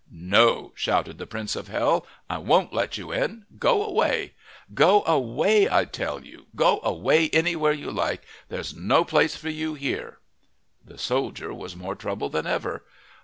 "No," shouted the Prince of Hell, "I won't let you in. Go away. Go away, I tell you. Go away, anywhere you like. There's no place for you here." The soldier was more troubled than ever.